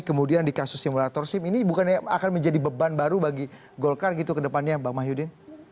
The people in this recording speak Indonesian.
kemudian di kasus simulator sim ini bukannya akan menjadi beban baru bagi golkar gitu ke depannya bang mahyudin